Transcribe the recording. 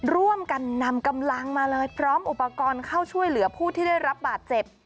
ร่วมกันนำกำลังมาเลยพร้อมอุปกรณ์เข้าช่วยเหลือผู้ที่ได้รับบาดเจ็บ